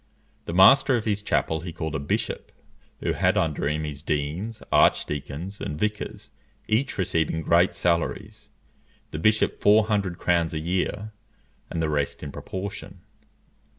The master of his chapel he called a bishop, who had under him his deans, arch deacons, and vicars, each receiving great salaries; the bishop four hundred crowns a year, and the rest in proportion.